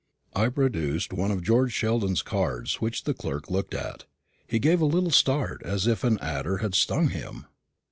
I produced one of George Sheldon's cards, which the clerk looked at. He gave a little start as if an adder had stung him.